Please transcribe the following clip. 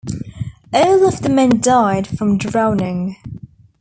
All of the men died from drowning.